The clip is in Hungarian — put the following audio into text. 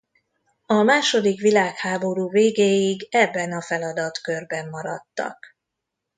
A második világháború végéig ebben a feladatkörben maradtak.